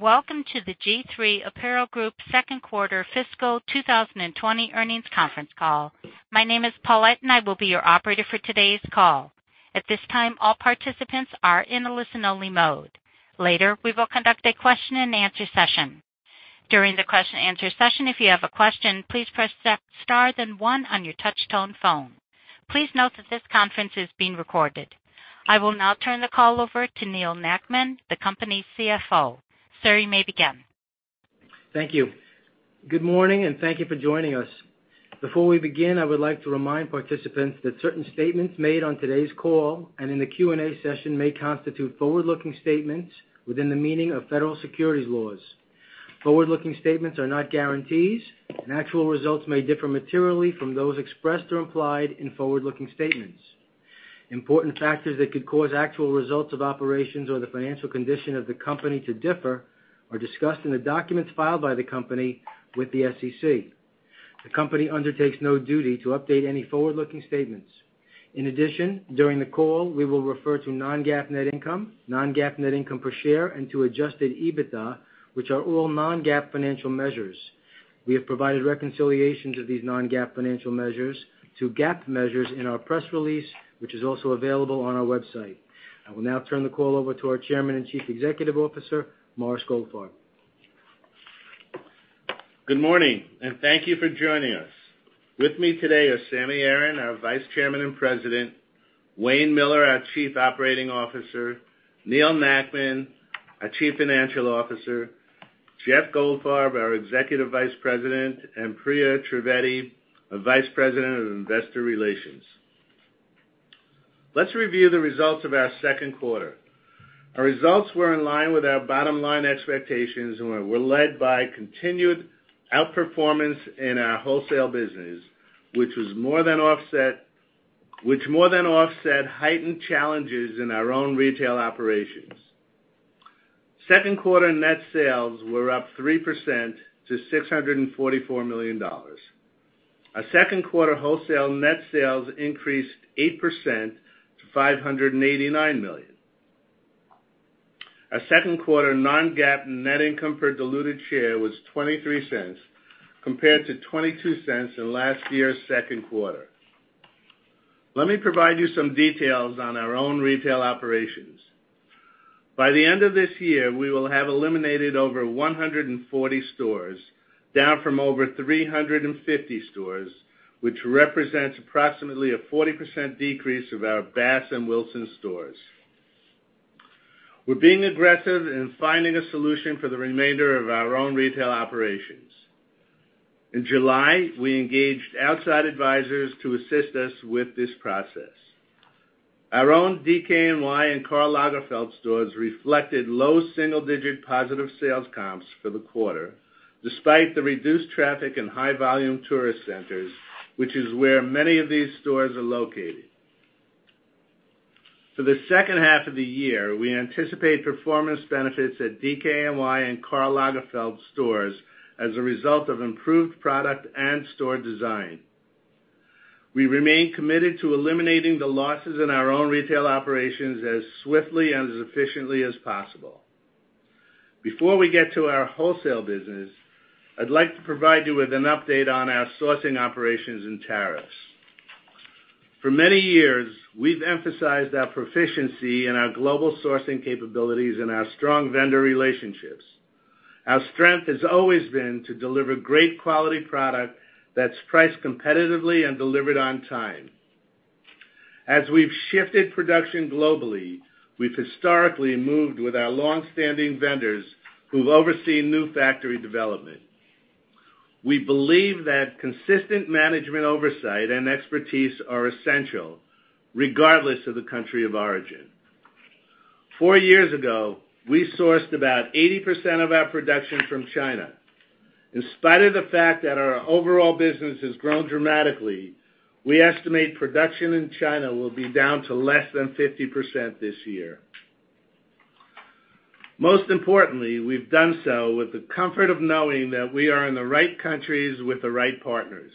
Welcome to the G-III Apparel Group second quarter fiscal 2020 earnings conference call. My name is Paulette and I will be your operator for today's call. At this time, all participants are in a listen-only mode. Later, we will conduct a question and answer session. During the question answer session, if you have a question, please press star then one on your touch tone phone. Please note that this conference is being recorded. I will now turn the call over to Neal Nackman, the company's CFO. Sir, you may begin. Thank you. Good morning, and thank you for joining us. Before we begin, I would like to remind participants that certain statements made on today's call and in the Q&A session may constitute forward-looking statements within the meaning of federal securities laws. Forward-looking statements are not guarantees, and actual results may differ materially from those expressed or implied in forward-looking statements. Important factors that could cause actual results of operations or the financial condition of the company to differ are discussed in the documents filed by the company with the SEC. The company undertakes no duty to update any forward-looking statements. In addition, during the call, we will refer to non-GAAP net income, non-GAAP net income per share, and to adjusted EBITDA, which are all non-GAAP financial measures. We have provided reconciliations of these non-GAAP financial measures to GAAP measures in our press release, which is also available on our website. I will now turn the call over to our Chairman and Chief Executive Officer, Morris Goldfarb. Good morning, and thank you for joining us. With me today are Sammy Aaron, our Vice Chairman and President, Wayne Miller, our Chief Operating Officer, Neal Nackman, our Chief Financial Officer, Jeff Goldfarb, our Executive Vice President, and Priya Trivedi, our Vice President of Investor Relations. Let's review the results of our second quarter. Our results were in line with our bottom-line expectations and were led by continued outperformance in our wholesale business, which more than offset heightened challenges in our own retail operations. Second quarter net sales were up 3% to $644 million. Our second quarter wholesale net sales increased 8% to $589 million. Our second quarter non-GAAP net income per diluted share was $0.23 compared to $0.22 in last year's second quarter. Let me provide you some details on our own retail operations. By the end of this year, we will have eliminated over 140 stores, down from over 350 stores, which represents approximately a 40% decrease of our G.H. Bass and Wilsons stores. We're being aggressive in finding a solution for the remainder of our own retail operations. In July, we engaged outside advisors to assist us with this process. Our own DKNY and Karl Lagerfeld stores reflected low single-digit positive sales comps for the quarter, despite the reduced traffic and high volume tourist centers, which is where many of these stores are located. For the second half of the year, we anticipate performance benefits at DKNY and Karl Lagerfeld stores as a result of improved product and store design. We remain committed to eliminating the losses in our own retail operations as swiftly and as efficiently as possible. Before we get to our wholesale business, I'd like to provide you with an update on our sourcing operations and tariffs. For many years, we've emphasized our proficiency in our global sourcing capabilities and our strong vendor relationships. Our strength has always been to deliver great quality product that's priced competitively and delivered on time. As we've shifted production globally, we've historically moved with our longstanding vendors who've overseen new factory development. We believe that consistent management oversight and expertise are essential, regardless of the country of origin. Four years ago, we sourced about 80% of our production from China. In spite of the fact that our overall business has grown dramatically, we estimate production in China will be down to less than 50% this year. Most importantly, we've done so with the comfort of knowing that we are in the right countries with the right partners.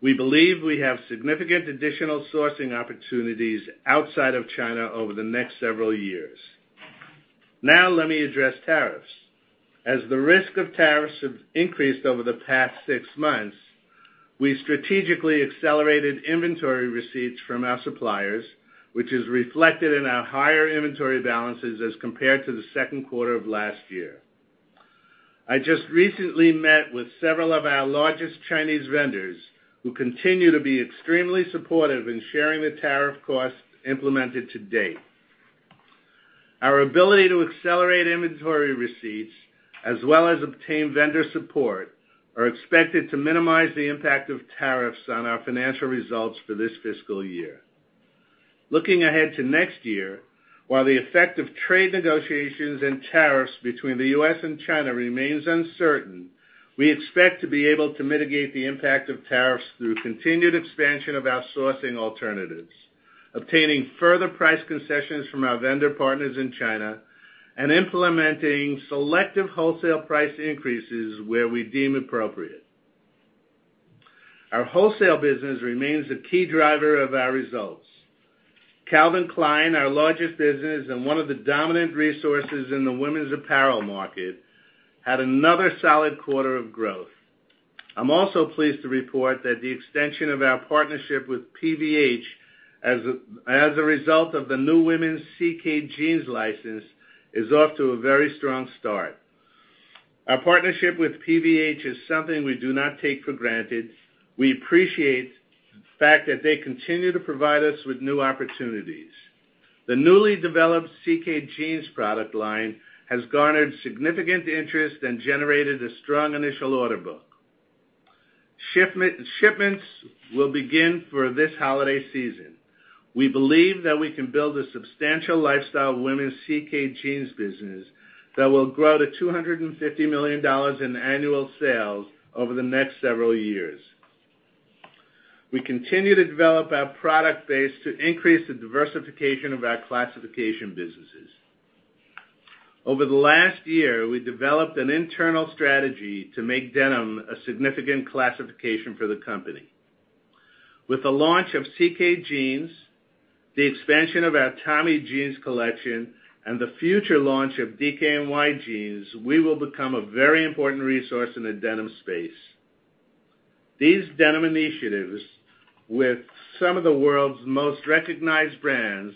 We believe we have significant additional sourcing opportunities outside of China over the next several years. Let me address tariffs. As the risk of tariffs have increased over the past six months, we strategically accelerated inventory receipts from our suppliers, which is reflected in our higher inventory balances as compared to the second quarter of last year. I just recently met with several of our largest Chinese vendors who continue to be extremely supportive in sharing the tariff costs implemented to date. Our ability to accelerate inventory receipts as well as obtain vendor support, are expected to minimize the impact of tariffs on our financial results for this fiscal year. Looking ahead to next year, while the effect of trade negotiations and tariffs between the U.S. and China remains uncertain, we expect to be able to mitigate the impact of tariffs through continued expansion of our sourcing alternatives, obtaining further price concessions from our vendor partners in China, and implementing selective wholesale price increases where we deem appropriate. Our wholesale business remains a key driver of our results. Calvin Klein, our largest business and one of the dominant resources in the women's apparel market, had another solid quarter of growth. I'm also pleased to report that the extension of our partnership with PVH as a result of the new women's CK Jeans license is off to a very strong start. Our partnership with PVH is something we do not take for granted. We appreciate the fact that they continue to provide us with new opportunities. The newly developed CK Jeans product line has garnered significant interest and generated a strong initial order book. Shipments will begin for this holiday season. We believe that we can build a substantial lifestyle women's CK Jeans business that will grow to $250 million in annual sales over the next several years. We continue to develop our product base to increase the diversification of our classification businesses. Over the last year, we developed an internal strategy to make denim a significant classification for the company. With the launch of CK Jeans, the expansion of our Tommy Jeans collection, and the future launch of DKNY Jeans, we will become a very important resource in the denim space. These denim initiatives with some of the world's most recognized brands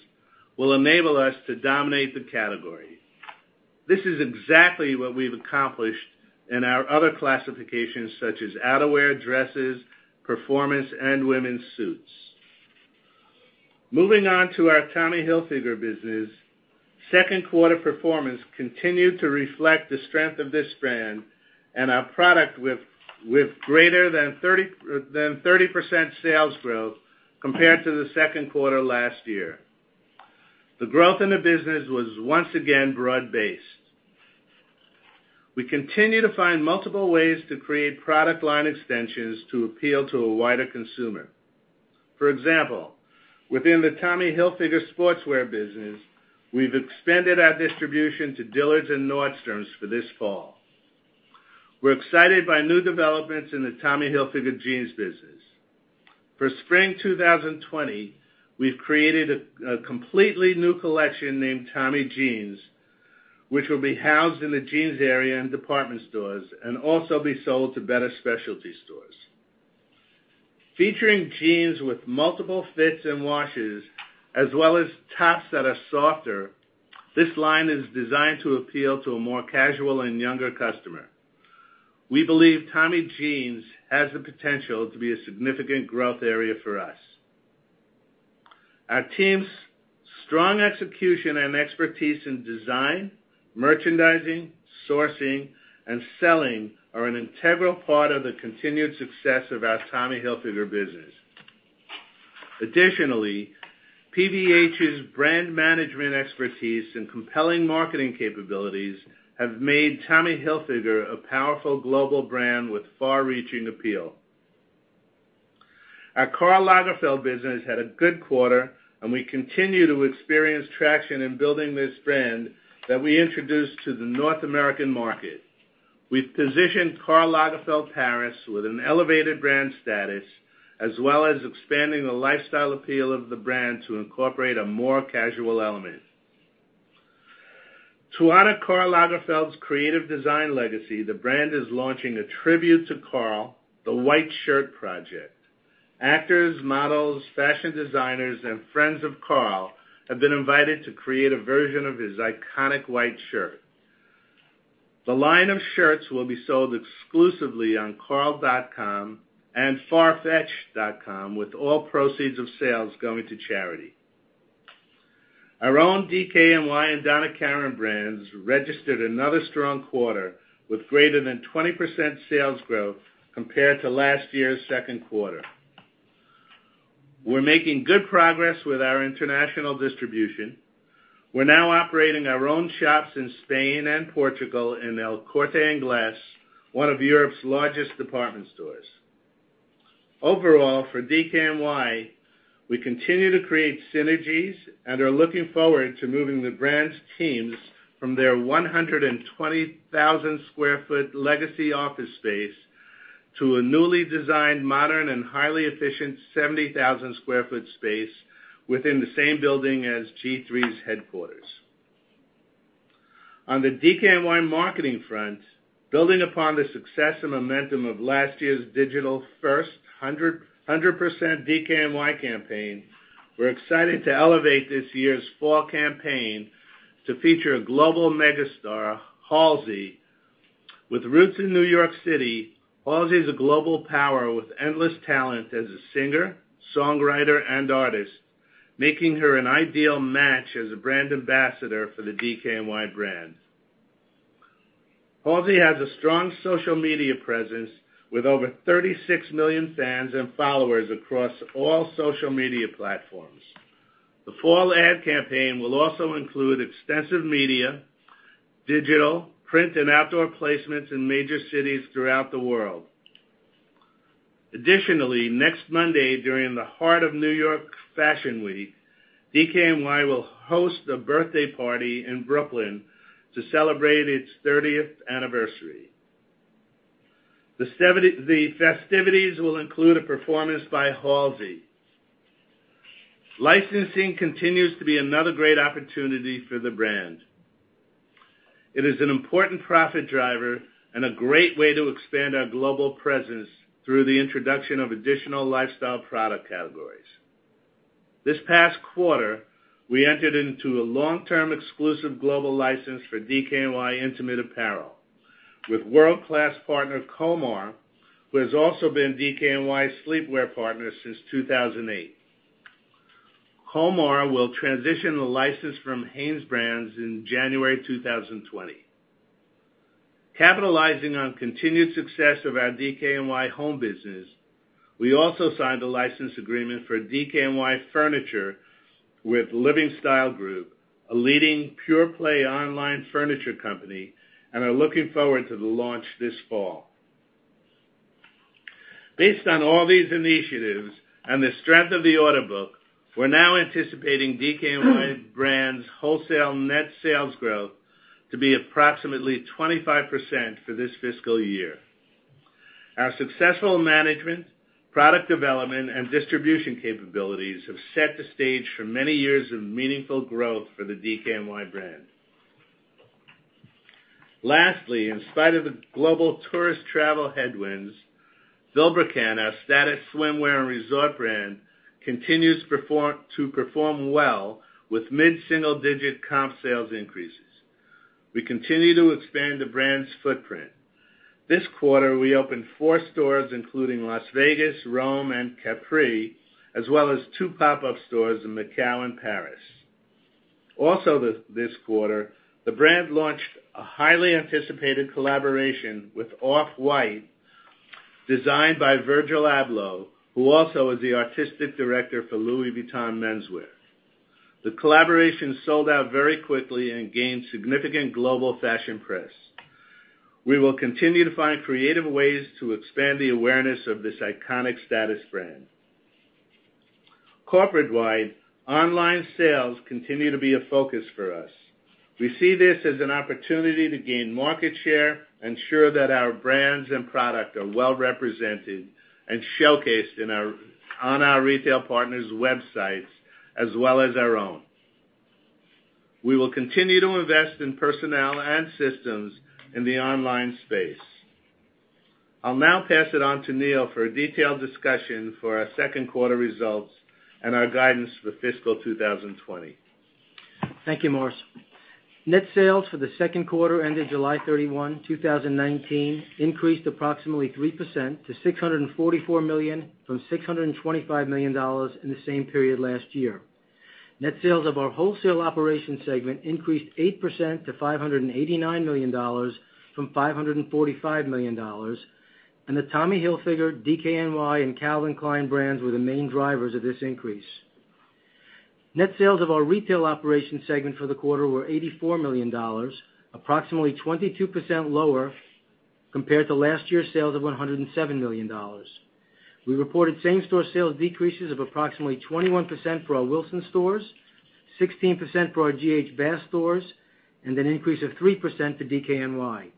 will enable us to dominate the category. This is exactly what we've accomplished in our other classifications such as outerwear, dresses, performance, and women's suits. Moving on to our Tommy Hilfiger business, second quarter performance continued to reflect the strength of this brand and our product with greater than 30% sales growth compared to the second quarter last year. The growth in the business was once again broad-based. We continue to find multiple ways to create product line extensions to appeal to a wider consumer. For example, within the Tommy Hilfiger sportswear business, we've expanded our distribution to Dillard's and Nordstrom for this fall. We're excited by new developments in the Tommy Hilfiger Jeans business. For spring 2020, we've created a completely new collection named Tommy Jeans, which will be housed in the jeans area in department stores and also be sold to better specialty stores. Featuring jeans with multiple fits and washes, as well as tops that are softer, this line is designed to appeal to a more casual and younger customer. We believe Tommy Jeans has the potential to be a significant growth area for us. Our team's strong execution and expertise in design, merchandising, sourcing, and selling are an integral part of the continued success of our Tommy Hilfiger business. Additionally, PVH's brand management expertise and compelling marketing capabilities have made Tommy Hilfiger a powerful global brand with far-reaching appeal. Our Karl Lagerfeld business had a good quarter, and we continue to experience traction in building this brand that we introduced to the North American market. We've positioned Karl Lagerfeld Paris with an elevated brand status, as well as expanding the lifestyle appeal of the brand to incorporate a more casual element. To honor Karl Lagerfeld's creative design legacy, the brand is launching A Tribute to Karl: The White Shirt Project. Actors, models, fashion designers, and friends of Karl have been invited to create a version of his iconic white shirt. The line of shirts will be sold exclusively on karl.com and Farfetch.com, with all proceeds of sales going to charity. Our own DKNY and Donna Karan brands registered another strong quarter, with greater than 20% sales growth compared to last year's second quarter. We're making good progress with our international distribution. We're now operating our own shops in Spain and Portugal in El Corte Inglés, one of Europe's largest department stores. Overall, for DKNY, we continue to create synergies and are looking forward to moving the brand's teams from their 120,000 square foot legacy office space to a newly designed, modern, and highly efficient 70,000 square foot space within the same building as G-III's headquarters. On the DKNY marketing front, building upon the success and momentum of last year's digital-first 100% DKNY campaign, we're excited to elevate this year's fall campaign to feature a global megastar, Halsey. With roots in New York City, Halsey is a global power with endless talent as a singer, songwriter, and artist, making her an ideal match as a brand ambassador for the DKNY brand. Halsey has a strong social media presence, with over 36 million fans and followers across all social media platforms. The fall ad campaign will also include extensive media, digital, print, and outdoor placements in major cities throughout the world. Additionally, next Monday during the heart of New York Fashion Week DKNY will host a birthday party in Brooklyn to celebrate its 30th anniversary. The festivities will include a performance by Halsey. Licensing continues to be another great opportunity for the brand. It is an important profit driver and a great way to expand our global presence through the introduction of additional lifestyle product categories. This past quarter, we entered into a long-term exclusive global license for DKNY intimate apparel with world-class partner Komar, who has also been DKNY's sleepwear partner since 2008. Komar will transition the license from HanesBrands in January 2020. Capitalizing on continued success of our DKNY Home business, we also signed a license agreement for DKNY Furniture with Living Style Group, a leading pure-play online furniture company, and are looking forward to the launch this fall. Based on all these initiatives and the strength of the order book, we're now anticipating DKNY brand's wholesale net sales growth to be approximately 25% for this fiscal year. Our successful management, product development, and distribution capabilities have set the stage for many years of meaningful growth for the DKNY brand. Lastly, in spite of the global tourist travel headwinds, Vilebrequin, our status swimwear and resort brand, continues to perform well with mid-single-digit comp sales increases. We continue to expand the brand's footprint. This quarter, we opened four stores, including Las Vegas, Rome, and Capri, as well as two pop-up stores in Macau and Paris. This quarter, the brand launched a highly anticipated collaboration with Off-White, designed by Virgil Abloh, who also is the artistic director for Louis Vuitton menswear. The collaboration sold out very quickly and gained significant global fashion press. We will continue to find creative ways to expand the awareness of this iconic status brand. Corporate-wide, online sales continue to be a focus for us. We see this as an opportunity to gain market share, ensure that our brands and product are well-represented, and showcased on our retail partners' websites as well as our own. We will continue to invest in personnel and systems in the online space. I'll now pass it on to Neal for a detailed discussion for our second quarter results and our guidance for fiscal 2020. Thank you, Morris. Net sales for the second quarter ended July 31, 2019 increased approximately 3% to $644 million from $625 million in the same period last year. Net sales of our wholesale operation segment increased 8% to $589 million from $545 million, and the Tommy Hilfiger, DKNY, and Calvin Klein brands were the main drivers of this increase. Net sales of our retail operation segment for the quarter were $84 million, approximately 22% lower compared to last year's sales of $107 million. We reported same-store sales decreases of approximately 21% for our Wilsons Leather stores, 16% for our G.H. Bass stores, and an increase of 3% for DKNY.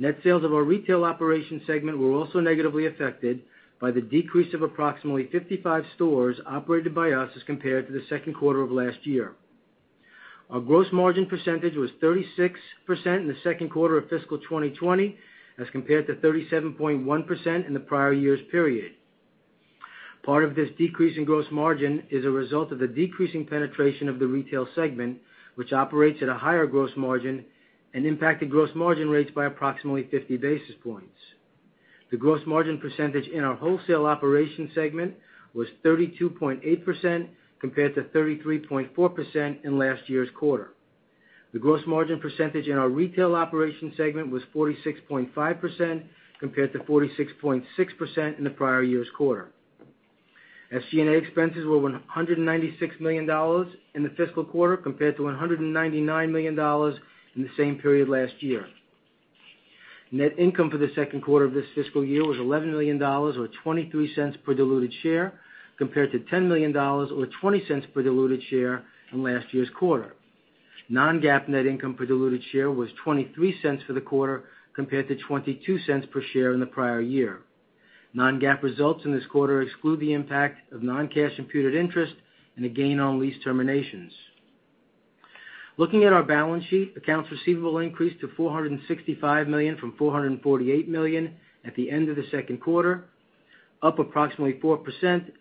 Net sales of our retail operation segment were also negatively affected by the decrease of approximately 55 stores operated by us as compared to the second quarter of last year. Our gross margin percentage was 36% in the second quarter of fiscal 2020, as compared to 37.1% in the prior year's period. Part of this decrease in gross margin is a result of the decreasing penetration of the retail segment, which operates at a higher gross margin and impacted gross margin rates by approximately 50 basis points. The gross margin percentage in our wholesale operation segment was 32.8%, compared to 33.4% in last year's quarter. The gross margin percentage in our retail operation segment was 46.5%, compared to 46.6% in the prior year's quarter. SG&A expenses were $196 million in the fiscal quarter, compared to $199 million in the same period last year. Net income for the second quarter of this fiscal year was $11 million, or $0.23 per diluted share, compared to $10 million or $0.20 per diluted share in last year's quarter. Non-GAAP net income per diluted share was $0.23 for the quarter, compared to $0.22 per share in the prior year. Non-GAAP results in this quarter exclude the impact of non-cash imputed interest and a gain on lease terminations. Looking at our balance sheet, accounts receivable increased to $465 million from $448 million at the end of the second quarter, up approximately 4%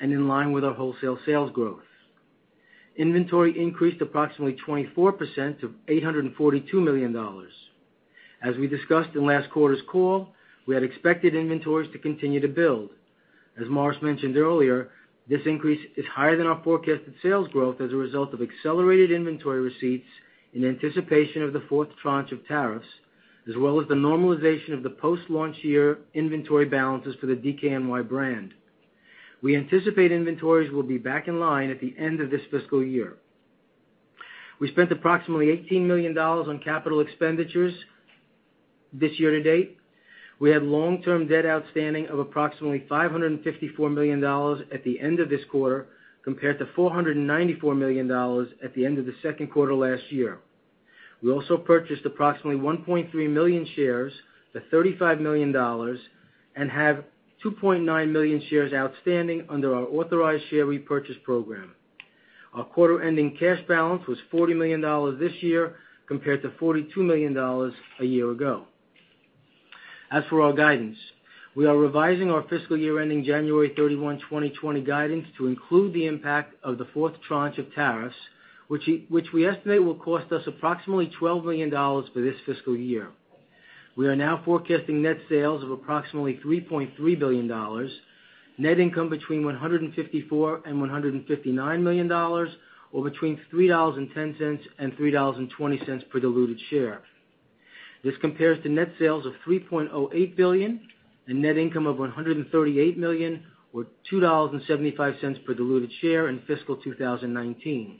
and in line with our wholesale sales growth. Inventory increased approximately 24% to $842 million. As we discussed in last quarter's call, we had expected inventories to continue to build. As Morris mentioned earlier, this increase is higher than our forecasted sales growth as a result of accelerated inventory receipts in anticipation of the fourth tranche of tariffs, as well as the normalization of the post-launch year inventory balances for the DKNY brand. We anticipate inventories will be back in line at the end of this fiscal year. We spent approximately $18 million on capital expenditures this year to date. We had long-term debt outstanding of approximately $554 million at the end of this quarter, compared to $494 million at the end of the second quarter last year. We also purchased approximately 1.3 million shares for $35 million and have 2.9 million shares outstanding under our authorized share repurchase program. Our quarter-ending cash balance was $40 million this year, compared to $42 million a year ago. As for our guidance, we are revising our fiscal year-ending January 31, 2020 guidance to include the impact of the fourth tranche of tariffs, which we estimate will cost us approximately $12 million for this fiscal year. We are now forecasting net sales of approximately $3.3 billion, net income between $154 million and $159 million or between $3.10 and $3.20 per diluted share. This compares to net sales of $3.08 billion and net income of $138 million or $2.75 per diluted share in fiscal 2019.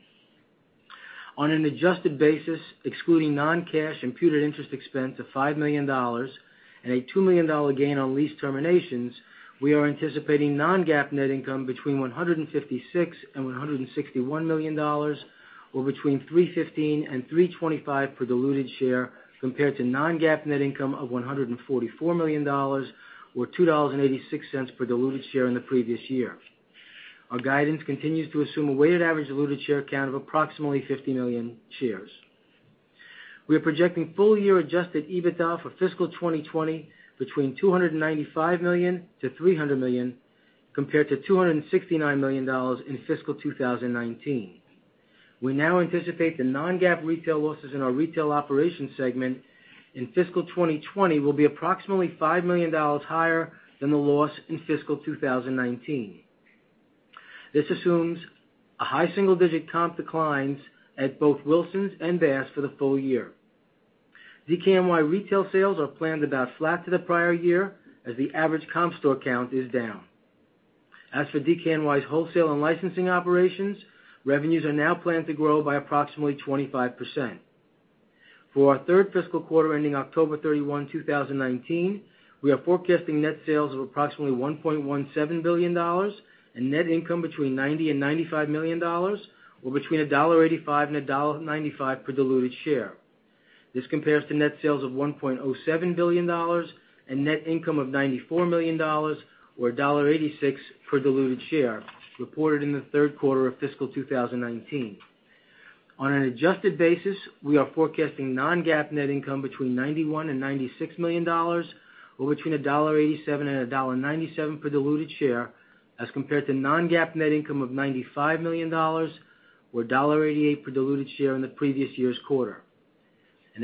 On an adjusted basis, excluding non-cash imputed interest expense of $5 million and a $2 million gain on lease terminations, we are anticipating non-GAAP net income between $156 million and $161 million or between $3.15 and $3.25 per diluted share, compared to non-GAAP net income of $144 million or $2.86 per diluted share in the previous year. Our guidance continues to assume a weighted average diluted share count of approximately 50 million shares. We are projecting full year adjusted EBITDA for fiscal 2020 between $295 million-$300 million, compared to $269 million in fiscal 2019. We now anticipate the non-GAAP retail losses in our retail operation segment in fiscal 2020 will be approximately $5 million higher than the loss in fiscal 2019. This assumes a high single-digit comp declines at both Wilsons and Bass for the full year. DKNY retail sales are planned about flat to the prior year as the average comp store count is down. As for DKNY's wholesale and licensing operations, revenues are now planned to grow by approximately 25%. For our third fiscal quarter ending October 31, 2019, we are forecasting net sales of approximately $1.17 billion and net income between $90 and $95 million or between $1.85 and $1.95 per diluted share. This compares to net sales of $1.07 billion and net income of $94 million or $1.86 per diluted share reported in the third quarter of fiscal 2019. On an adjusted basis, we are forecasting non-GAAP net income between $91 and $96 million or between $1.87 and $1.97 per diluted share, as compared to non-GAAP net income of $95 million or $1.88 per diluted share in the previous year's quarter.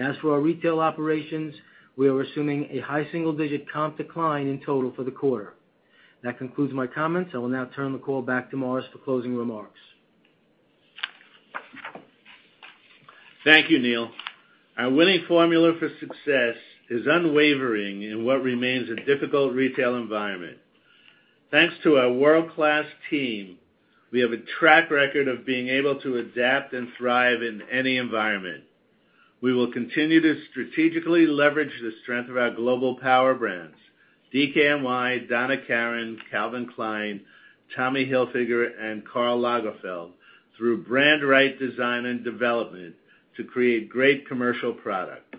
As for our retail operations, we are assuming a high single-digit comp decline in total for the quarter. That concludes my comments. I will now turn the call back to Morris for closing remarks. Thank you, Neal. Our winning formula for success is unwavering in what remains a difficult retail environment. Thanks to our world-class team, we have a track record of being able to adapt and thrive in any environment. We will continue to strategically leverage the strength of our global power brands, DKNY, Donna Karan, Calvin Klein, Tommy Hilfiger, and Karl Lagerfeld, through brand right design and development to create great commercial product.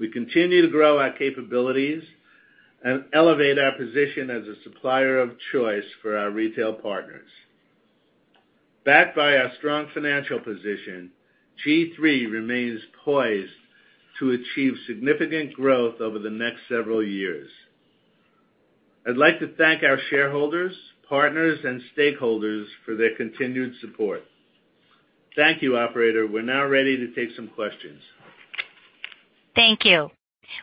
We continue to grow our capabilities and elevate our position as a supplier of choice for our retail partners. Backed by our strong financial position, G-III remains poised to achieve significant growth over the next several years. I'd like to thank our shareholders, partners, and stakeholders for their continued support. Thank you, operator. We're now ready to take some questions. Thank you.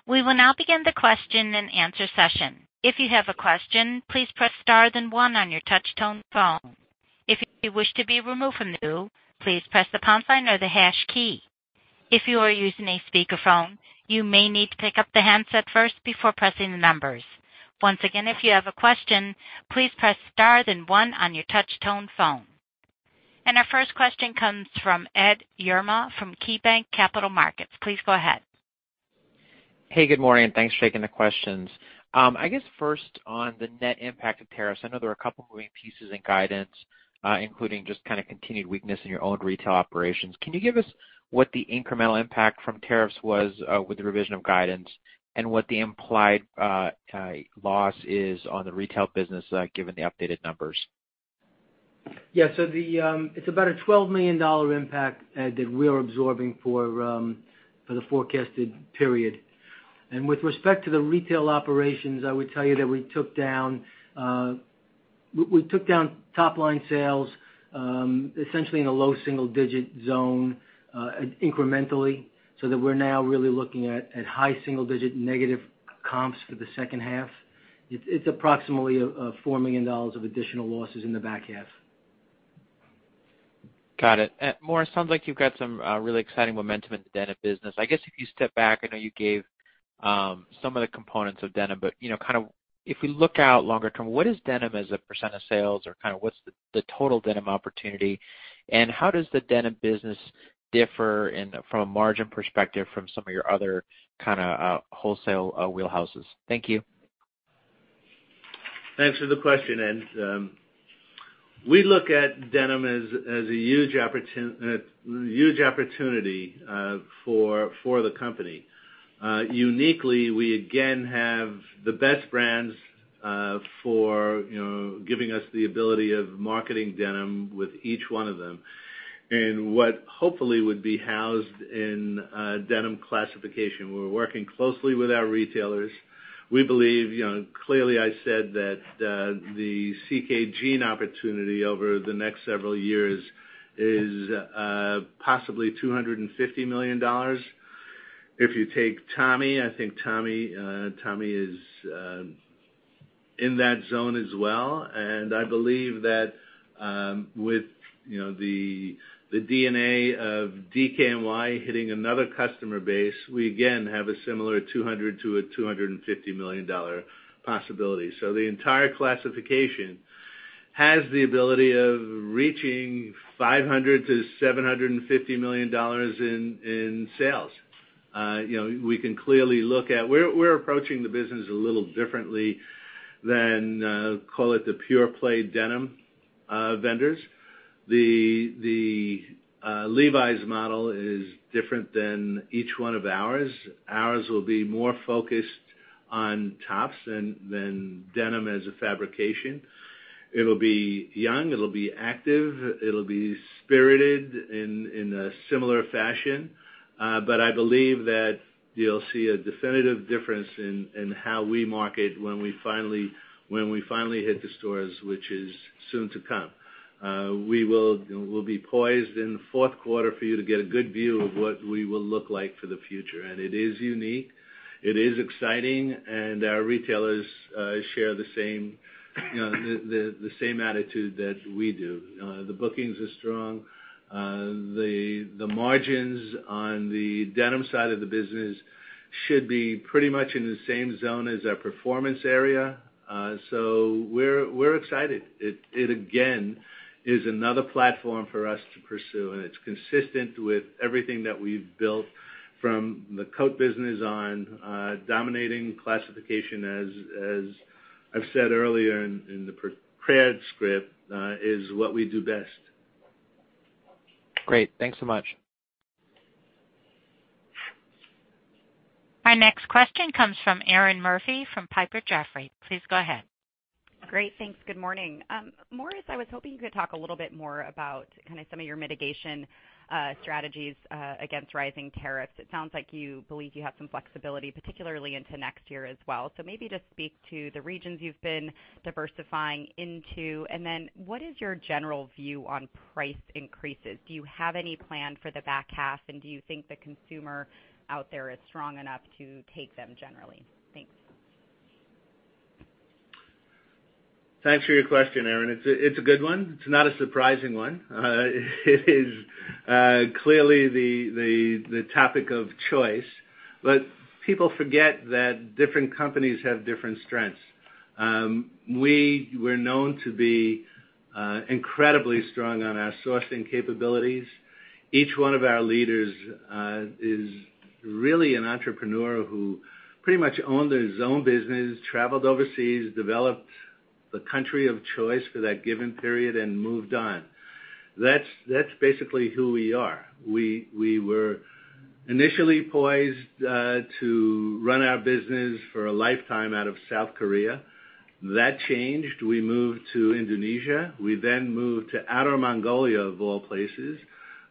We will now begin the question and answer session. If you have a question, please press star then one on your touch-tone phone. If you wish to be removed from queue, please press the pound sign or the hash key. If you are using a speakerphone, you may need to pick up the handset first before pressing the numbers. Once again, if you have a question, please press star then one on your touch-tone phone. Our first question comes from Edward Yruma from KeyBanc Capital Markets. Please go ahead. Hey, good morning, and thanks for taking the questions. I guess first on the net impact of tariffs, I know there are a couple of moving pieces in guidance, including just kind of continued weakness in your own retail operations. Can you give us what the incremental impact from tariffs was with the revision of guidance and what the implied loss is on the retail business given the updated numbers? Yeah. It's about a $12 million impact, Ed, that we're absorbing for the forecasted period. With respect to the retail operations, I would tell you that we took down top-line sales, essentially in a low single-digit zone incrementally, so that we're now really looking at high single-digit negative comps for the second half. It's approximately $4 million of additional losses in the back half. Got it. Morris, sounds like you've got some really exciting momentum in the denim business. I guess if you step back, I know you gave some of the components of denim. If we look out longer term, what is denim as a % of sales or what's the total denim opportunity, and how does the denim business differ from a margin perspective from some of your other wholesale wheelhouses? Thank you. Thanks for the question, Ed. We look at denim as a huge opportunity for the company. Uniquely, we again have the best brands for giving us the ability of marketing denim with each one of them. What hopefully would be housed in a denim classification. We're working closely with our retailers. We believe, clearly I said that the CK Jean opportunity over the next several years is possibly $250 million. If you take Tommy, I think Tommy is in that zone as well. I believe that with the DNA of DKNY hitting another customer base, we again have a similar $200 million to $250 million possibility. The entire classification has the ability of reaching $500 million to $750 million in sales. We're approaching the business a little differently than, call it the pure play denim vendors. The Levi's model is different than each one of ours. Ours will be more focused on tops than denim as a fabrication. It'll be young, it'll be active, it'll be spirited in a similar fashion. I believe that you'll see a definitive difference in how we market when we finally hit the stores, which is soon to come. We'll be poised in the fourth quarter for you to get a good view of what we will look like for the future. It is unique, it is exciting, and our retailers share the same attitude that we do. The bookings are strong. The margins on the denim side of the business should be pretty much in the same zone as our performance area. We're excited. It again is another platform for us to pursue, and it's consistent with everything that we've built from the coat business on dominating classification, as I've said earlier in the prepared script, is what we do best. Great. Thanks so much. Our next question comes from Erinn Murphy from Piper Sandler. Please go ahead. Great. Thanks. Good morning. Morris, I was hoping you could talk a little bit more about some of your mitigation strategies against rising tariffs. It sounds like you believe you have some flexibility, particularly into next year as well. Maybe just speak to the regions you've been diversifying into, and then what is your general view on price increases? Do you have any plan for the back half, and do you think the consumer out there is strong enough to take them generally? Thanks. Thanks for your question, Erinn. It's a good one. It's not a surprising one. It is clearly the topic of choice, but people forget that different companies have different strengths. We were known to be incredibly strong on our sourcing capabilities. Each one of our leaders is really an entrepreneur who pretty much owned his own business, traveled overseas, developed the country of choice for that given period, and moved on. That's basically who we are. We were initially poised to run our business for a lifetime out of South Korea. That changed. We moved to Indonesia. We moved to Outer Mongolia, of all places.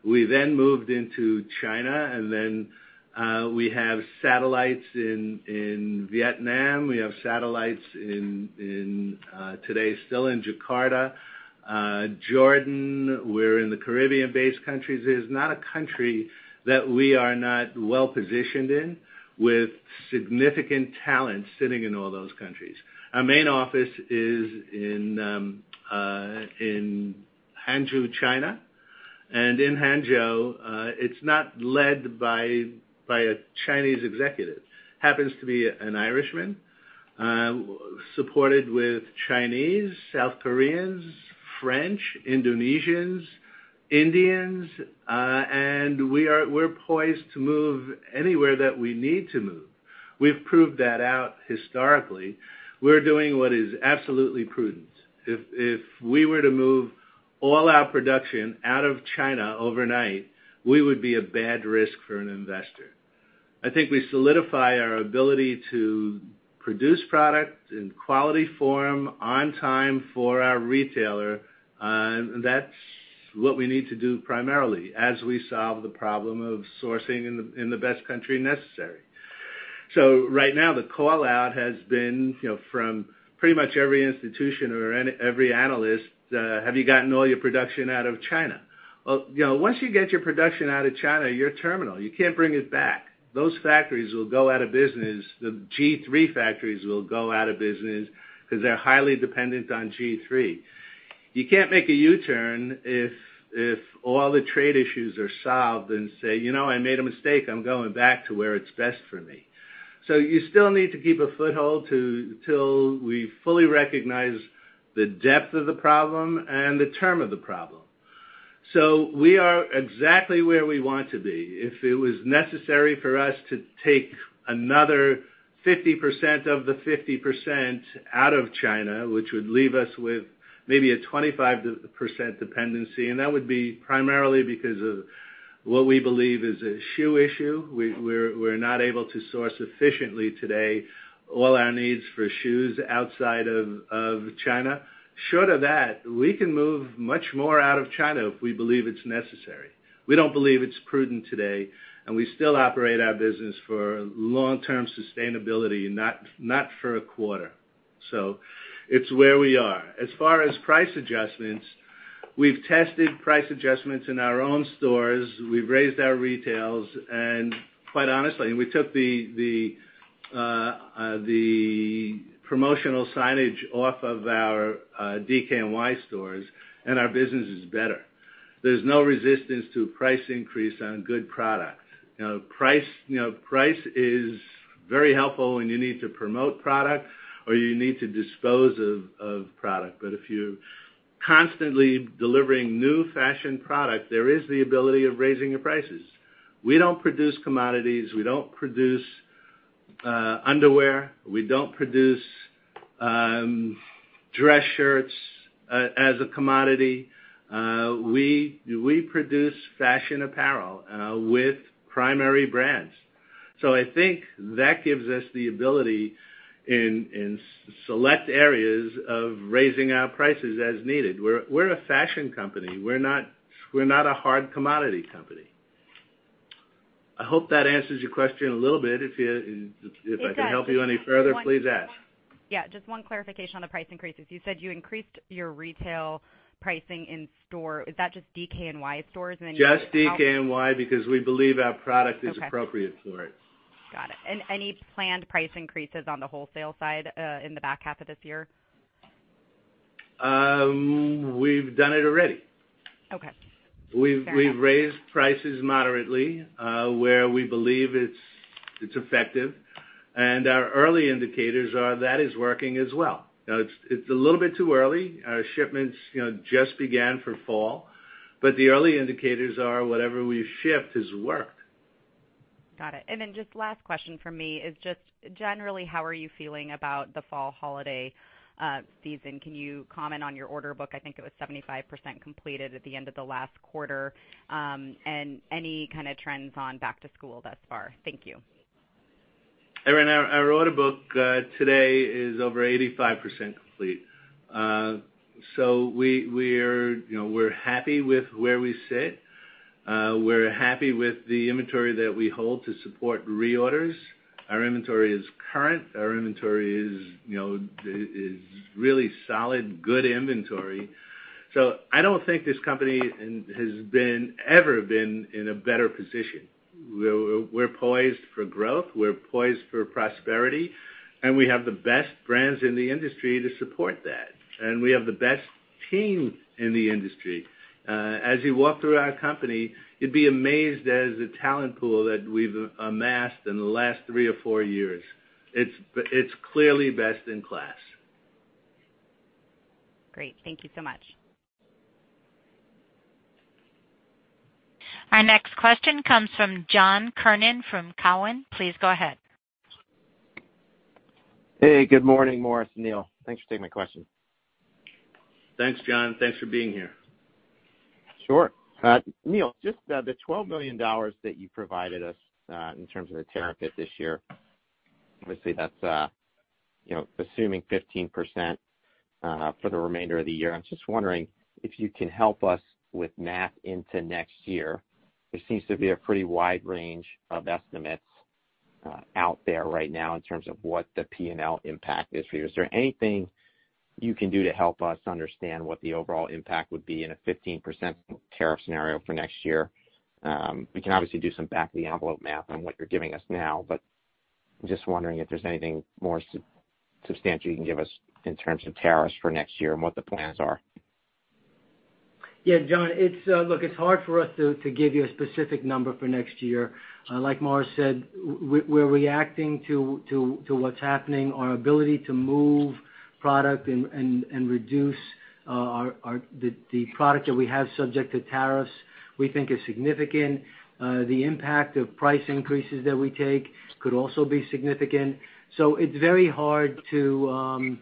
We moved into China, and then we have satellites in Vietnam. We have satellites today still in Jakarta. Jordan. We're in the Caribbean-based countries. There's not a country that we are not well-positioned in with significant talent sitting in all those countries. Our main office is in Hangzhou, China. In Hangzhou, it's not led by a Chinese executive. Happens to be an Irishman, supported with Chinese, South Koreans, French, Indonesians, Indians, and we're poised to move anywhere that we need to move. We've proved that out historically. We're doing what is absolutely prudent. If we were to move all our production out of China overnight, we would be a bad risk for an investor. I think we solidify our ability to produce product in quality form on time for our retailer, and that's what we need to do primarily as we solve the problem of sourcing in the best country necessary. Right now, the call-out has been from pretty much every institution or every analyst, "Have you gotten all your production out of China?" Once you get your production out of China, you're terminal. You can't bring it back. Those factories will go out of business. The G-III factories will go out of business because they're highly dependent on G-III. You can't make a U-turn if all the trade issues are solved and say, "You know, I made a mistake. I'm going back to where it's best for me." You still need to keep a foothold till we fully recognize the depth of the problem and the term of the problem. We are exactly where we want to be. If it was necessary for us to take another 50% of the 50% out of China, which would leave us with maybe a 25% dependency, and that would be primarily because of what we believe is a shoe issue. We're not able to source efficiently today all our needs for shoes outside of China. Short of that, we can move much more out of China if we believe it's necessary. We don't believe it's prudent today, and we still operate our business for long-term sustainability, not for a quarter. It's where we are. As far as price adjustments, we've tested price adjustments in our own stores. We've raised our retails and quite honestly, we took the promotional signage off of our DKNY stores, and our business is better. There's no resistance to price increase on a good product. Price is very helpful when you need to promote product or you need to dispose of product. If you're constantly delivering new fashion product, there is the ability of raising your prices. We don't produce commodities. We don't produce underwear. We don't produce dress shirts as a commodity. We produce fashion apparel with primary brands. I think that gives us the ability in select areas of raising our prices as needed. We're a fashion company. We're not a hard commodity company. I hope that answers your question a little bit. If I can help you any further, please ask. Yeah, just one clarification on the price increases. You said you increased your retail pricing in store. Is that just DKNY stores? Just DKNY because we believe our product is appropriate for it. Got it. Any planned price increases on the wholesale side in the back half of this year? We've done it already. Okay. Fair enough. We've raised prices moderately, where we believe it's effective. Our early indicators are that is working as well. Now, it's a little bit too early. Our shipments just began for fall, the early indicators are whatever we've shipped has worked. Got it. Just last question from me is just generally, how are you feeling about the fall holiday season? Can you comment on your order book? I think it was 75% completed at the end of the last quarter. Any kind of trends on back to school thus far? Thank you. Erinn, our order book today is over 85% complete. We're happy with where we sit. We're happy with the inventory that we hold to support reorders. Our inventory is current. Our inventory is really solid, good inventory. I don't think this company has ever been in a better position. We're poised for growth, we're poised for prosperity, and we have the best brands in the industry to support that. We have the best team in the industry. As you walk through our company, you'd be amazed as a talent pool that we've amassed in the last three or four years. It's clearly best in class. Great. Thank you so much. Our next question comes from John Kernan from Cowen. Please go ahead. Hey, good morning, Morris, Neal. Thanks for taking my question. Thanks, John. Thanks for being here. Sure. Neal, just the $12 million that you provided us, in terms of the tariff hit this year, obviously, that's assuming 15% for the remainder of the year. I'm just wondering if you can help us with math into next year. There seems to be a pretty wide range of estimates out there right now in terms of what the P&L impact is for you. Is there anything you can do to help us understand what the overall impact would be in a 15% tariff scenario for next year? We can obviously do some back of the envelope math on what you're giving us now. I'm just wondering if there's anything more substantial you can give us in terms of tariffs for next year and what the plans are. Yeah, John. Look, it's hard for us to give you a specific number for next year. Like Morris said, we're reacting to what's happening. Our ability to move product and reduce the product that we have subject to tariffs, we think is significant. The impact of price increases that we take could also be significant. It's very hard to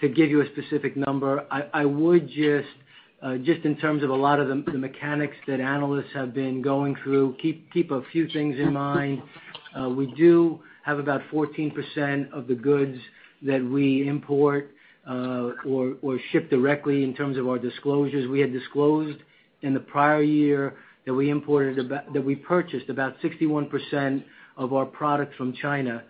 give you a specific number. I would just, in terms of a lot of the mechanics that analysts have been going through, keep a few things in mind. We do have about 14% of the goods that we import or ship directly in terms of our disclosures. We had disclosed in the prior year that we purchased about 61% of our product from China.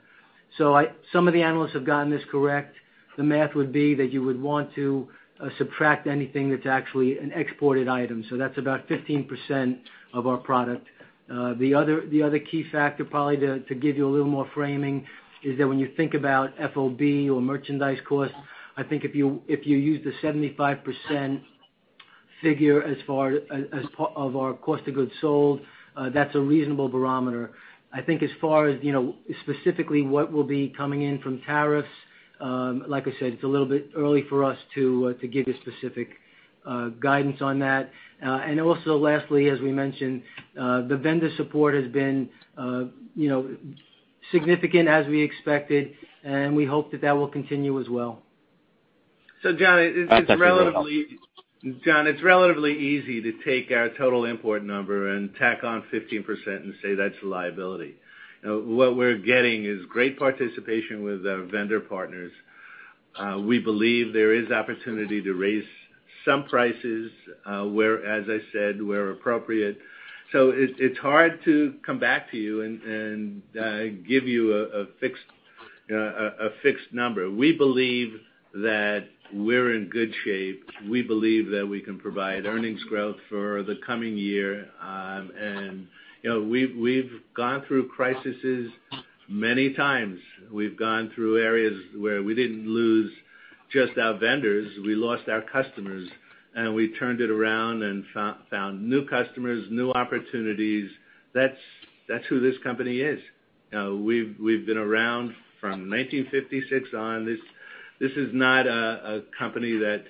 Some of the analysts have gotten this correct. The math would be that you would want to subtract anything that's actually an exported item. That's about 15% of our product. The other key factor probably to give you a little more framing is that when you think about FOB or merchandise costs, I think if you use the 75% figure as part of our cost of goods sold, that's a reasonable barometer. I think as far as specifically what will be coming in from tariffs, like I said, it's a little bit early for us to give you specific guidance on that. Also lastly, as we mentioned, the vendor support has been significant as we expected, and we hope that that will continue as well. John, it's relatively easy to take our total import number and tack on 15% and say that's a liability. What we're getting is great participation with our vendor partners. We believe there is opportunity to raise some prices, where, as I said, where appropriate. It's hard to come back to you and give you a fixed number. We believe that we're in good shape. We believe that we can provide earnings growth for the coming year. We've gone through crises many times. We've gone through areas where we didn't lose just our vendors, we lost our customers, and we turned it around and found new customers, new opportunities. That's who this company is. We've been around from 1956 on. This is not a company that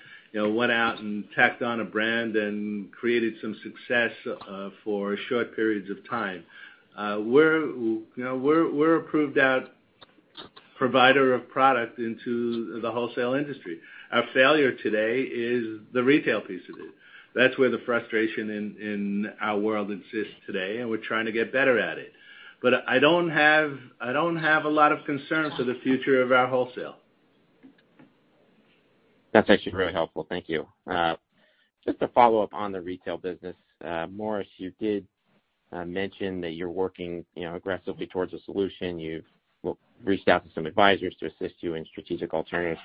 went out and tacked on a brand and created some success for short periods of time. We're a proved out provider of product into the wholesale industry. Our failure today is the retail piece of it. That's where the frustration in our world exists today, and we're trying to get better at it. I don't have a lot of concerns for the future of our wholesale. That's actually really helpful. Thank you. Just to follow up on the retail business. Morris, you did mention that you're working aggressively towards a solution. You've reached out to some advisors to assist you in strategic alternatives.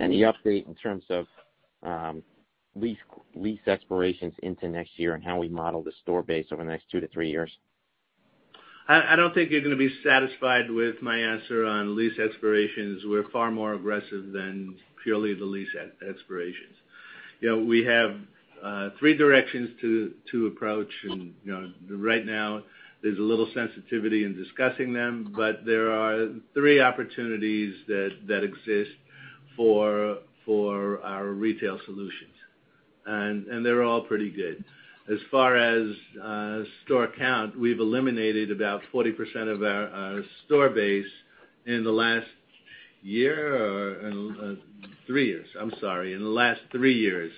Any update in terms of lease expirations into next year and how we model the store base over the next two to three years? I don't think you're going to be satisfied with my answer on lease expirations. We're far more aggressive than purely the lease expirations. We have three directions to approach and right now there's a little sensitivity in discussing them, but there are three opportunities that exist for our retail solutions. They're all pretty good. As far as store count, we've eliminated about 40% of our store base in the last year or three years. I'm sorry, in the last three years.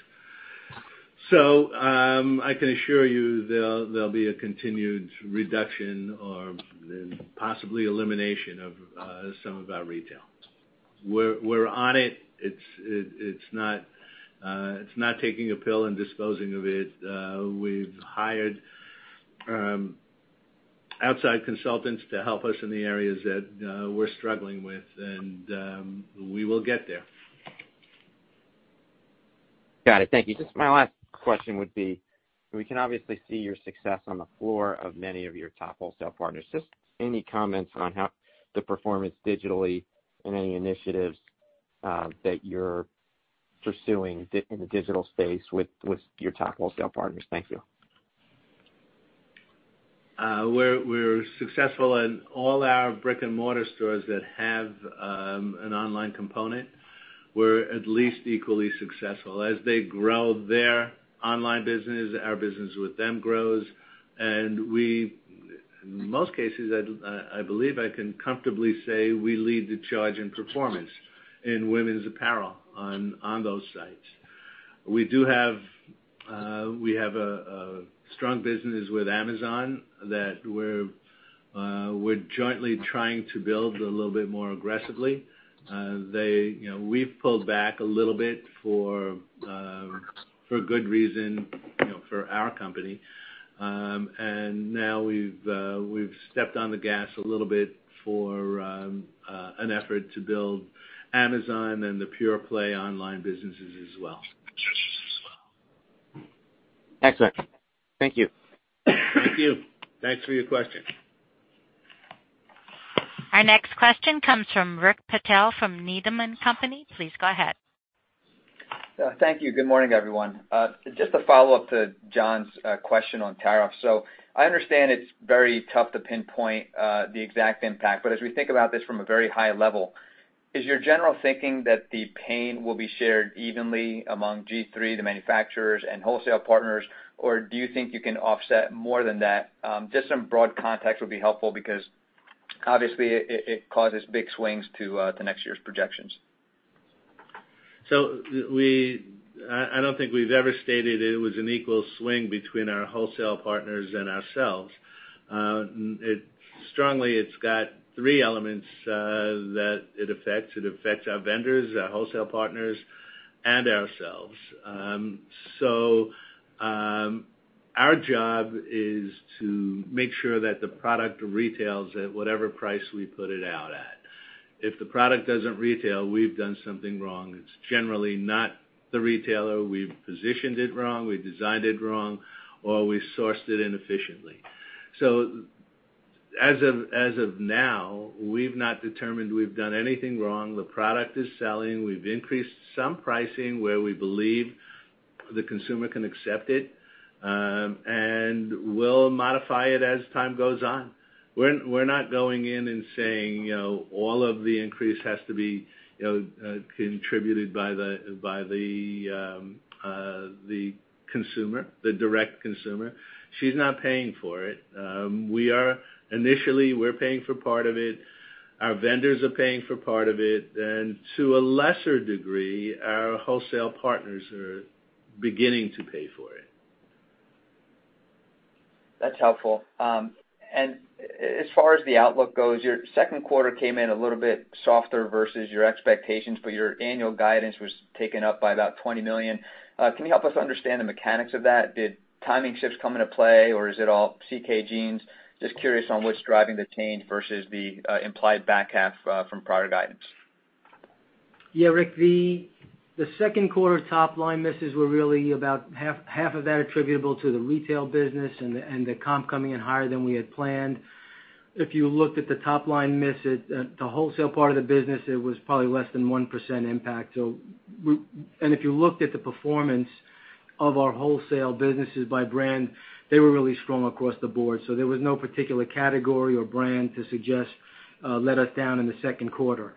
I can assure you there'll be a continued reduction or possibly elimination of some of our retail. We're on it. It's not taking a pill and disposing of it. We've hired outside consultants to help us in the areas that we're struggling with, and we will get there. Got it. Thank you. Just my last question would be, we can obviously see your success on the floor of many of your top wholesale partners. Just any comments on how the performance digitally and any initiatives that you're pursuing in the digital space with your top wholesale partners? Thank you. We're successful in all our brick and mortar stores that have an online component. We're at least equally successful. As they grow their online business, our business with them grows. In most cases, I believe I can comfortably say we lead the charge in performance in women's apparel on those sites. We have a strong business with Amazon that we're jointly trying to build a little bit more aggressively. We've pulled back a little bit for a good reason for our company. Now we've stepped on the gas a little bit for an effort to build Amazon and the pure play online businesses as well. Excellent. Thank you. Thank you. Thanks for your question. Our next question comes from Rick Patel from Needham & Company. Please go ahead. Thank you. Good morning, everyone. Just a follow-up to John's question on tariffs. I understand it's very tough to pinpoint the exact impact, but as we think about this from a very high level, is your general thinking that the pain will be shared evenly among G-III, the manufacturers, and wholesale partners, or do you think you can offset more than that? Just some broad context would be helpful because obviously, it causes big swings to next year's projections. I don't think we've ever stated it was an equal swing between our wholesale partners and ourselves. Strongly, it's got three elements that it affects. It affects our vendors, our wholesale partners, and ourselves. Our job is to make sure that the product retails at whatever price we put it out at. If the product doesn't retail, we've done something wrong. It's generally not the retailer. We've positioned it wrong, we designed it wrong, or we sourced it inefficiently. As of now, we've not determined we've done anything wrong. The product is selling. We've increased some pricing where we believe the consumer can accept it, and we'll modify it as time goes on. We're not going in and saying all of the increase has to be contributed by the consumer, the direct consumer. She's not paying for it. Initially, we're paying for part of it, our vendors are paying for part of it, and to a lesser degree, our wholesale partners are beginning to pay for it. That's helpful. As far as the outlook goes, your second quarter came in a little bit softer versus your expectations, but your annual guidance was taken up by about $20 million. Can you help us understand the mechanics of that? Did timing shifts come into play, or is it all CK Jeans? Just curious on what's driving the change versus the implied back half from prior guidance. Yeah, Rick, the second quarter top-line misses were really about half of that attributable to the retail business and the comp coming in higher than we had planned. If you looked at the top-line miss at the wholesale part of the business, it was probably less than 1% impact. If you looked at the performance of our wholesale businesses by brand, they were really strong across the board. There was no particular category or brand to suggest let us down in the second quarter.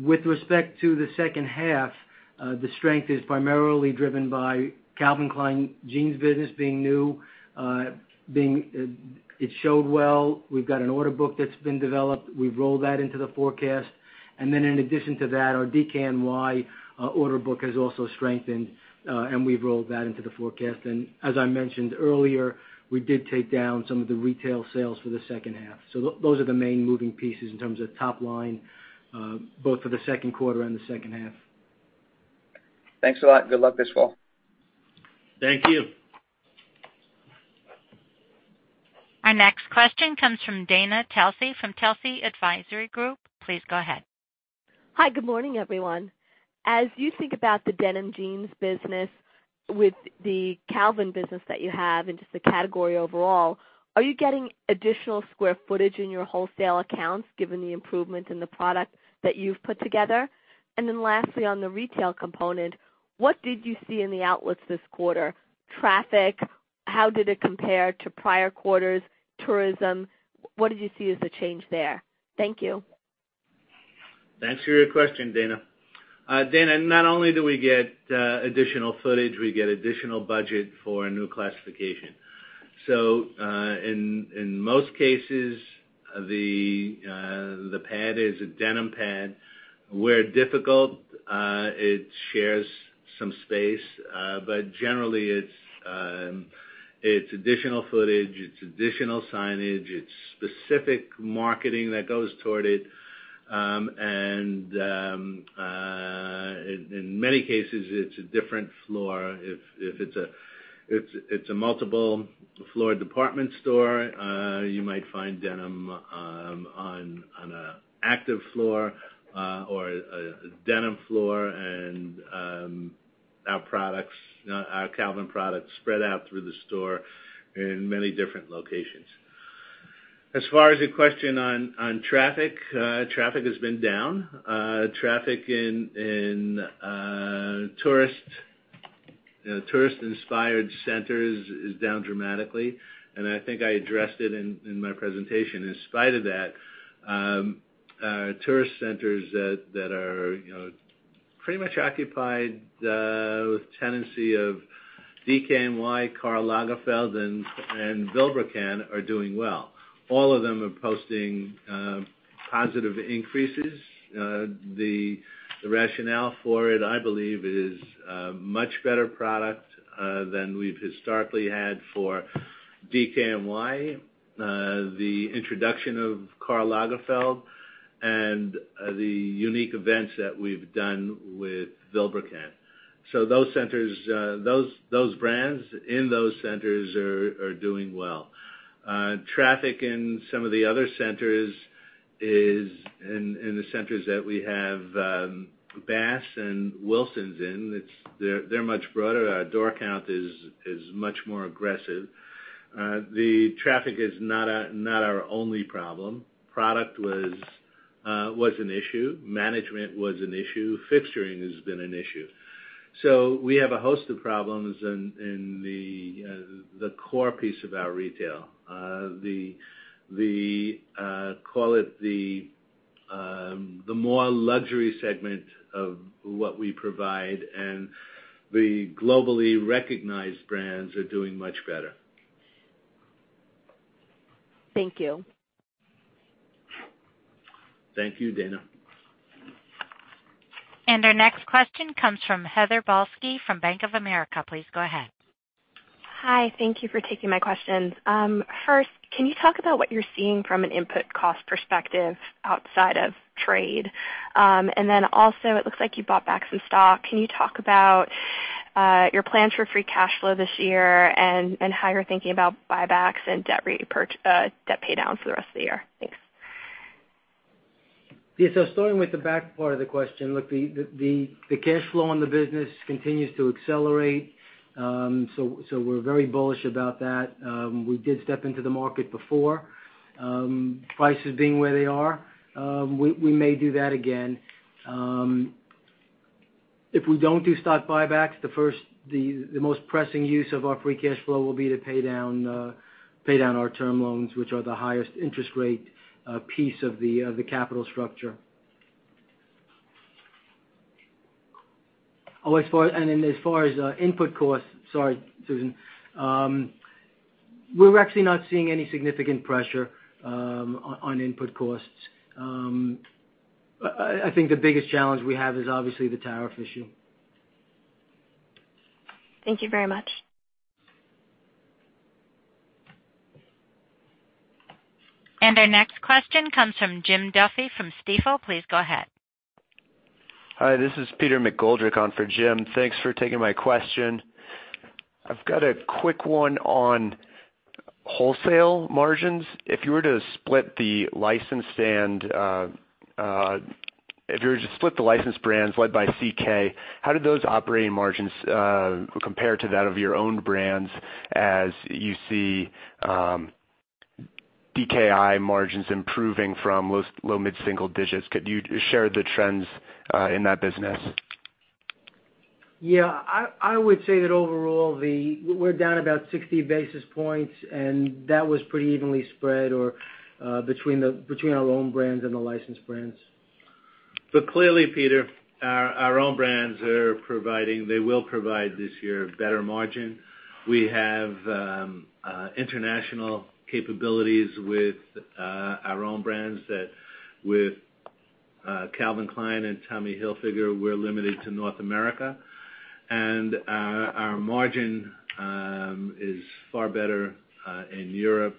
With respect to the second half, the strength is primarily driven by Calvin Klein Jeans business being new. It showed well. We've got an order book that's been developed. We've rolled that into the forecast. Then in addition to that, our DKNY order book has also strengthened, and we've rolled that into the forecast. As I mentioned earlier, we did take down some of the retail sales for the second half. Those are the main moving pieces in terms of top line, both for the second quarter and the second half. Thanks a lot. Good luck this fall. Thank you. Our next question comes from Dana Telsey from Telsey Advisory Group. Please go ahead. Hi, good morning, everyone. As you think about the denim jeans business with the Calvin business that you have and just the category overall, are you getting additional square footage in your wholesale accounts, given the improvement in the product that you've put together? Lastly, on the retail component, what did you see in the outlets this quarter? Traffic, how did it compare to prior quarters? Tourism, what did you see as the change there? Thank you. Thanks for your question, Dana. Dana, not only do we get additional footage, we get additional budget for a new classification. In most cases, the pad is a denim pad. Where difficult, it shares some space. Generally, it's additional footage. It's additional signage. It's specific marketing that goes toward it. In many cases, it's a different floor. If it's a multiple-floor department store, you might find denim on an active floor or a denim floor and our Calvin products spread out through the store in many different locations. As far as the question on traffic has been down. Traffic in tourist-inspired centers is down dramatically, and I think I addressed it in my presentation. In spite of that, tourist centers that are pretty much occupied with tenancy of DKNY, Karl Lagerfeld, and Vilebrequin are doing well. All of them are posting positive increases. The rationale for it, I believe, is much better product than we've historically had for DKNY, the introduction of Karl Lagerfeld, and the unique events that we've done with Vilebrequin. Those brands in those centers are doing well. Traffic in some of the other centers, in the centers that we have Bass and Wilsons in, they're much broader. Our door count is much more aggressive. The traffic is not our only problem. Product was an issue. Management was an issue. Fixturing has been an issue. We have a host of problems in the core piece of our retail. Call it the more luxury segment of what we provide, and the globally recognized brands are doing much better. Thank you. Thank you, Dana. Our next question comes from Heather Balsky from Bank of America. Please go ahead. Hi. Thank you for taking my questions. First, can you talk about what you're seeing from an input cost perspective outside of trade? Then also, it looks like you bought back some stock. Can you talk about your plans for free cash flow this year and how you're thinking about buybacks and debt pay downs for the rest of the year? Thanks. Yes. Starting with the back part of the question, look, the cash flow in the business continues to accelerate. We're very bullish about that. We did step into the market before. Prices being where they are, we may do that again. If we don't do stock buybacks, the most pressing use of our free cash flow will be to pay down our term loans, which are the highest interest rate piece of the capital structure. As far as input costs, sorry, Susan. We're actually not seeing any significant pressure on input costs. I think the biggest challenge we have is obviously the tariff issue. Thank you very much. Our next question comes from Jim Duffy from Stifel. Please go ahead. Hi, this is Peter McGoldrick on for Jim. Thanks for taking my question. I've got a quick one on wholesale margins. If you were to split the licensed brands led by CK, how do those operating margins compare to that of your own brands as you see DKNY margins improving from low mid-single digits? Could you share the trends in that business? Yeah. I would say that overall, we're down about 60 basis points, and that was pretty evenly spread between our own brands and the licensed brands. Clearly, Peter, our own brands, they will provide this year better margin. We have international capabilities with our own brands that with Calvin Klein and Tommy Hilfiger, we're limited to North America. Our margin is far better in Europe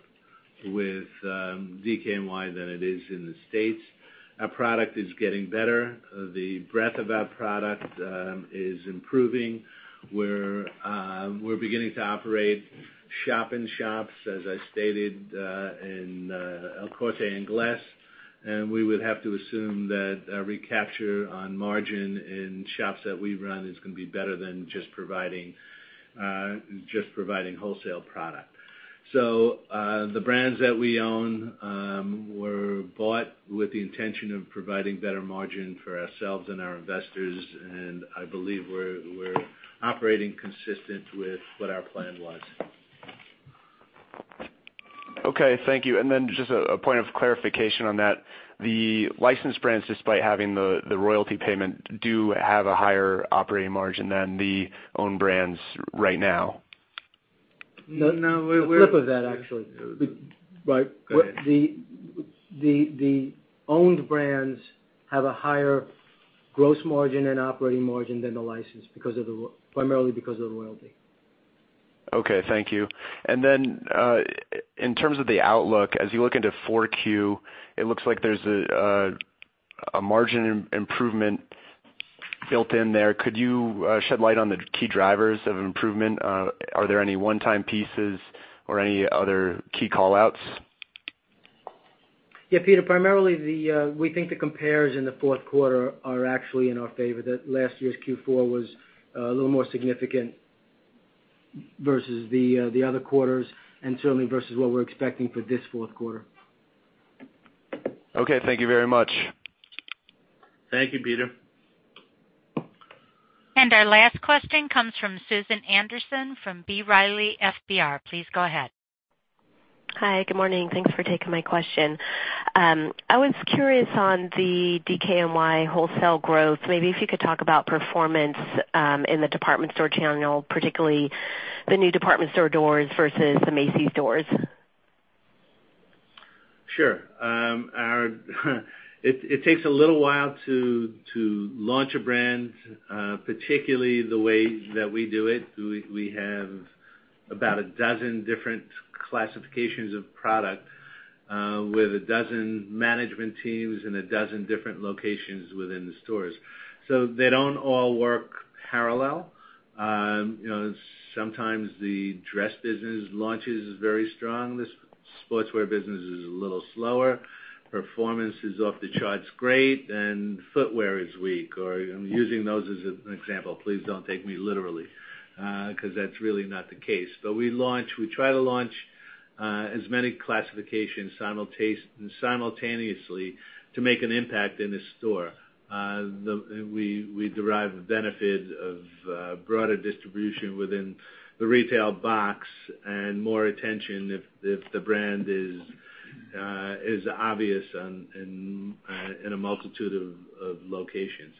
with DKNY than it is in the States. Our product is getting better. The breadth of our product is improving. We're beginning to operate shop in shops, as I stated, in El Corte Inglés, and we would have to assume that our recapture on margin in shops that we run is going to be better than just providing wholesale product. The brands that we own were bought with the intention of providing better margin for ourselves and our investors, and I believe we're operating consistent with what our plan was. Okay. Thank you. Just a point of clarification on that. The licensed brands, despite having the royalty payment, do have a higher operating margin than the own brands right now? No. The flip of that, actually. Go ahead. The owned brands have a higher gross margin and operating margin than the licensed primarily because of the royalty. Okay. Thank you. In terms of the outlook, as you look into four Q, it looks like there's a margin improvement built in there. Could you shed light on the key drivers of improvement? Are there any one-time pieces or any other key call-outs? Yeah, Peter. Primarily, we think the compares in the fourth quarter are actually in our favor. That last year's Q4 was a little more significant versus the other quarters and certainly versus what we're expecting for this fourth quarter. Okay. Thank you very much. Thank you, Peter. Our last question comes from Susan Anderson from B. Riley FBR. Please go ahead. Hi. Good morning. Thanks for taking my question. I was curious on the DKNY wholesale growth. Maybe if you could talk about performance in the department store channel, particularly the new department store doors versus the Macy's doors. Sure. It takes a little while to launch a brand, particularly the way that we do it. We have about a dozen different classifications of product with a dozen management teams and a dozen different locations within the stores. They don't all work parallel. Sometimes the dress business launches very strong. The sportswear business is a little slower. Performance is off the charts great, and footwear is weak. I'm using those as an example. Please don't take me literally, because that's really not the case. We try to launch as many classifications simultaneously to make an impact in the store. We derive the benefit of broader distribution within the retail box and more attention if the brand is obvious in a multitude of locations.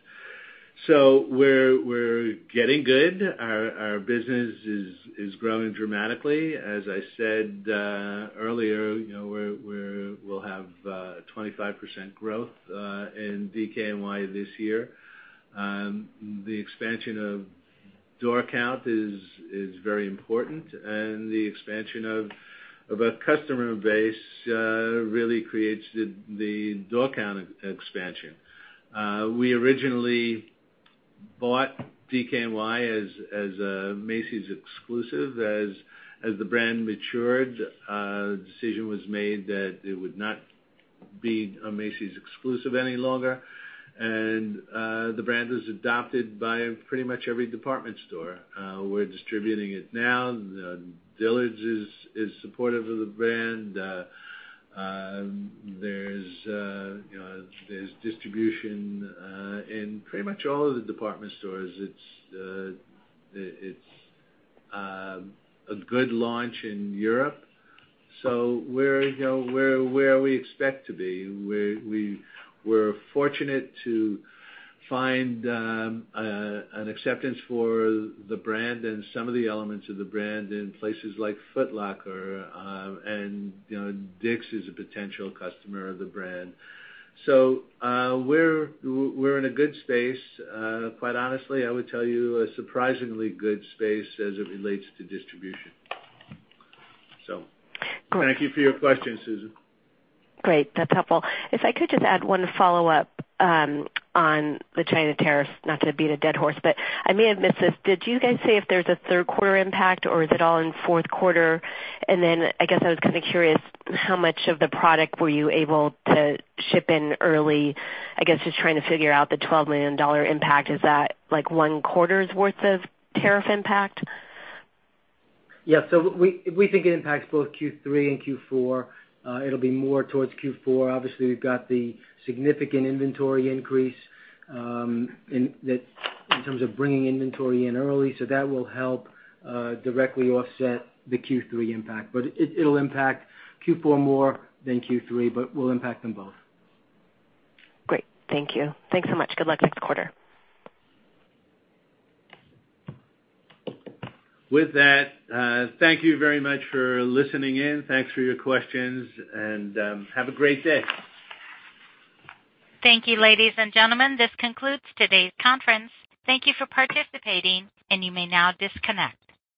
We're getting good. Our business is growing dramatically. As I said earlier, we'll have 25% growth in DKNY this year. The expansion of door count is very important and the expansion of our customer base really creates the door count expansion. We originally bought DKNY as a Macy's exclusive. As the brand matured, a decision was made that it would not be a Macy's exclusive any longer, and the brand was adopted by pretty much every department store. We're distributing it now. The Village is supportive of the brand. There's distribution in pretty much all of the department stores. It's a good launch in Europe. We're where we expect to be. We're fortunate to find an acceptance for the brand and some of the elements of the brand in places like Foot Locker, and Dick's is a potential customer of the brand. We're in a good space. Quite honestly, I would tell you a surprisingly good space as it relates to distribution. Thank you for your question, Susan. Great. That's helpful. If I could just add one follow-up on the China tariffs, not to beat a dead horse, but I may have missed this. Did you guys say if there's a third quarter impact or is it all in fourth quarter? I guess I was kind of curious how much of the product were you able to ship in early? I guess just trying to figure out the $12 million impact. Is that one quarter's worth of tariff impact? We think it impacts both Q3 and Q4. It'll be more towards Q4. Obviously, we've got the significant inventory increase in terms of bringing inventory in early, that will help directly offset the Q3 impact. It'll impact Q4 more than Q3, but will impact them both. Great. Thank you. Thanks so much. Good luck next quarter. With that, thank you very much for listening in. Thanks for your questions, and have a great day. Thank you, ladies and gentlemen. This concludes today's conference. Thank you for participating, and you may now disconnect.